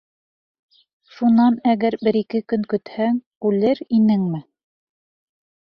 Шунан, әгәр бер-ике көн көтһәң — үлер инеңме?